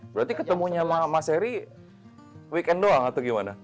berarti ketemunya sama mas eri weekend doang atau gimana